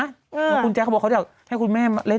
หรือคุณแจ๊คเขาบอกเขาอยากให้คุณแม่เล่น